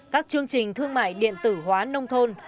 các chương trình thương mại điện tử hóa nông thôn